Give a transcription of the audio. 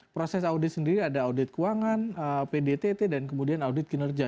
proses audit sendiri ada audit keuangan pdtt dan kemudian audit kinerja